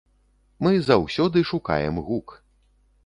Мы заўсёды шукаем гук.